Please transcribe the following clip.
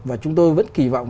và chúng tôi vẫn kỳ vọng